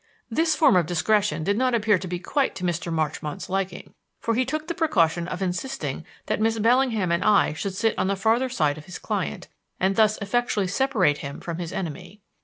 This form of discretion did not appear to be quite to Mr. Marchmont's liking, for he took the precaution of insisting that Miss Bellingham and I should sit on the farther side of his client, and thus effectually separate him from his enemy.